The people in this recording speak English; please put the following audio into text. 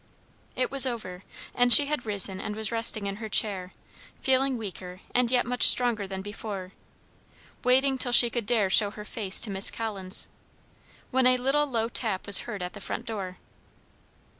It was over, and she had risen and was resting in her chair, feeling weaker and yet much stronger than before; waiting till she could dare show her face to Miss Collins; when a little low tap was heard at the front door.